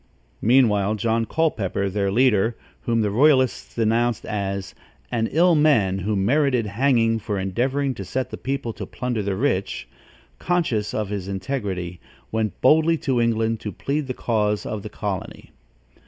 Meanwhile, John Culpepper, their leader, whom the royalists denounced as an "ill man, who merited hanging for endeavoring to set the people to plunder the rich," conscious of his integrity, went boldly to England to plead the cause of the colony.